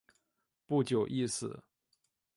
不久亦死。